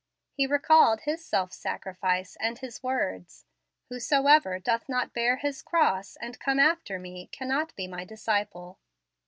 He recalled His self sacrifice and His words, "Whosoever doth not bear his cross and come after me, cannot be my disciple."